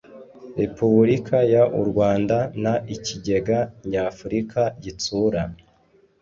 Repubulika y u Rwanda n Ikigega Nyafurika Gitsura